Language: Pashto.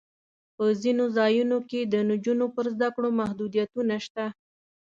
په ځینو ځایونو کې د نجونو پر زده کړو محدودیتونه شته.